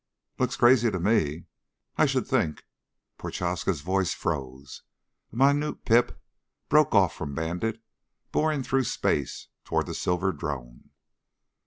"Looks crazy to me. I should think " Prochaska's voice froze. A minute pip broke off from Bandit, boring through space toward the silver drone.